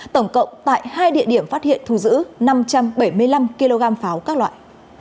tổng cộng tại hai địa điểm phát hiện thu giữ năm trăm bảy mươi năm kg pháo các loại